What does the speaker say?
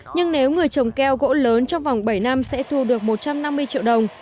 nhưng nếu người trồng keo gỗ lớn trong vòng bảy năm sẽ thu được một trăm năm mươi triệu đồng